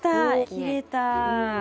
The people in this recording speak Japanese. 切れた。